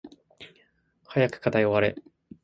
早く課題終われ